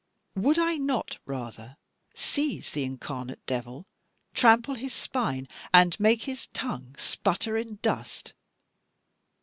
Would I not rather seize the incarnate devil, trample his spine, and make his tongue sputter in dust?